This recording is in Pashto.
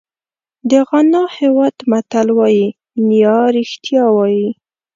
د غانا هېواد متل وایي نیا رښتیا وایي.